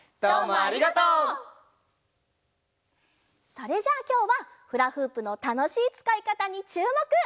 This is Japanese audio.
それじゃあきょうはフラフープのたのしいつかいかたにちゅうもく！